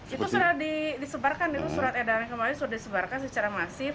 itu sudah disebarkan itu surat edaran kemarin sudah disebarkan secara masif